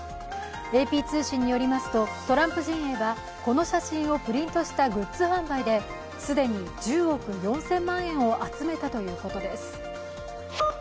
ＡＰ通信によりますと、トランプ陣営はこの写真をプリントしたグッズ販売で既に１０億４０００万円を集めたということです。